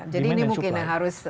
jadi ini mungkin harus